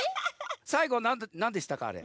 さいごなんでしたかあれ？